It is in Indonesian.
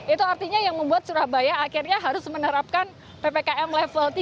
itu artinya yang membuat surabaya akhirnya harus menerapkan ppkm level tiga